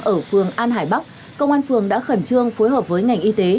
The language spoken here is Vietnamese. ở phường an hải bắc công an phường đã khẩn trương phối hợp với ngành y tế